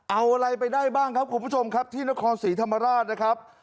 เอาอะไรไปได้บ้างครับคุณผู้ชมครับที่นครศรีธรรมราชนะครับ